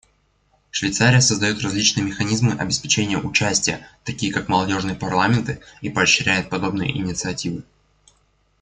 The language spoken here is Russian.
Швейцария создает различные механизмы обеспечения участия, такие как молодежные парламенты, и поощряет подобные инициативы.